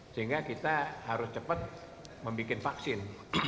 sehingga kita harus cepat membuat vaksin